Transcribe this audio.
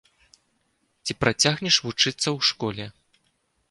Ці працягнеш вучыцца ў школе?